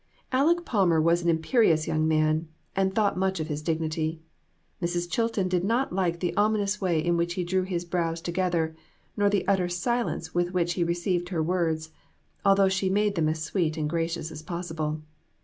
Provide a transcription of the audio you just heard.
Aleck Palmer was an imperious young man, and thought much of his dignity. Mrs. Chilton did not like the ominous way in which he drew his brows together, nor the utter silence with which he received her words, although she made them as sweet and gracious as possible.